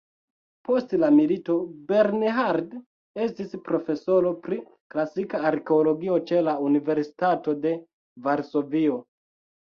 Post la milito, Bernhard estis profesoro pri klasika arkeologio ĉe la Universitato de Varsovio.